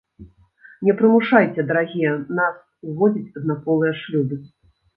Не прымушайце, дарагія, нас уводзіць аднаполыя шлюбы.